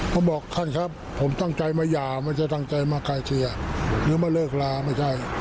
บอกท่านครับผมตั้งใจมาหย่าไม่ใช่ตั้งใจมาไกลเกลี่ยหรือมาเลิกลาไม่ใช่